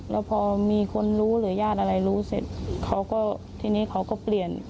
แล้วพอมีคนรู้หรือญาติอะไรรู้เสร็จเขาก็ทีนี้เขาก็เปลี่ยน